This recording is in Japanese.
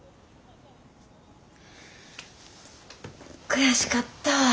悔しかったわ。